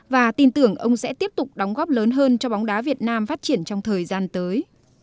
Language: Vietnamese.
và tin tưởng ông sẽ tiếp tục đóng góp lớn hơn cho bóng đá việt nam phát triển trong thời gian tới